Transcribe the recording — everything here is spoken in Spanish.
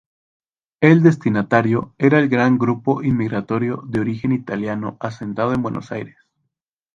El destinatario era el gran grupo inmigratorio de origen italiano asentado en Buenos Aires.